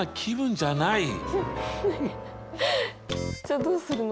じゃどうするの？